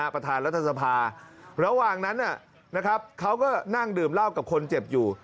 ประธานรัฐสภาระหว่างนั้นเขาก็นั่งดื่มเหล้ากับคนเจ็บอยู่